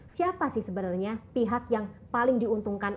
siapa sih sebenarnya pihak yang paling diuntungkan